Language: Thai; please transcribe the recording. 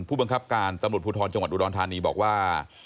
ผู้บังคับการตำรวจภูทรจังหวัดอุดรธานีบอกว่า